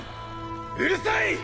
うるさい！！